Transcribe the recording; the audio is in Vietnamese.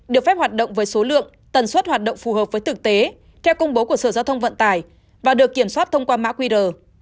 được phép hoạt động với số lượng tần suất hoạt động phù hợp với thực tế theo công bố của sở giao thông vận tải và được kiểm soát thông qua mã qr